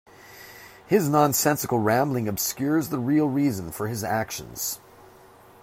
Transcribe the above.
His nonsensical rambling obscures the real reason for his actions.